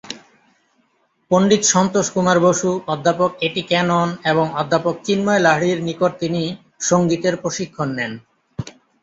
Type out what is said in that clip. পণ্ডিত সন্তোষ কুমার বসু, অধ্যাপক A T Cannon এবং অধ্যাপক চিন্ময় লাহিড়ীর নিকট তিনি সঙ্গীতের প্রশিক্ষণ নেন।